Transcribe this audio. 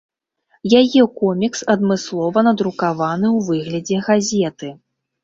Яе комікс адмыслова надрукаваны ў выглядзе газеты.